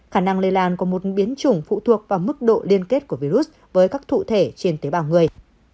khả năng lây lan của một biến chủng phụ thuộc vào mức độ liên kết của virus với các thủ thể trên tế bào người